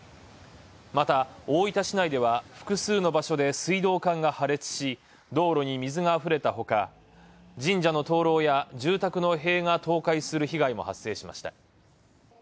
また、大分市内では複数の場所で水道管が破裂し、道路に水があふれたほか、神社の灯籠や住宅の塀が倒壊する被害も発生しました。